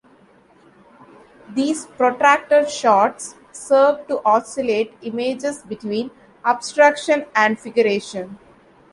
These protracted shots serve to oscillate images between abstraction and figuration.